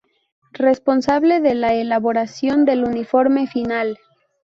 Responsable de la Elaboración del “Informe final.